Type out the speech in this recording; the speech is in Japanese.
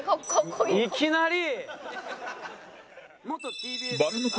いきなり！